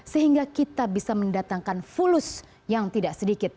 sehingga kita bisa mendatangkan fulus yang tidak sedikit